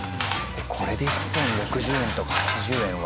これで１本６０円とか８０円は。